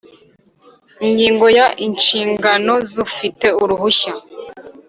Ingingo ya Inshingano z ufite uruhushya